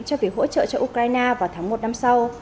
cho việc hỗ trợ cho ukraine vào tháng một năm sau